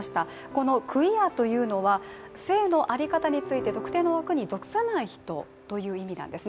このクィアというのは、性のあり方について特定の枠に属さない人という意味なんです。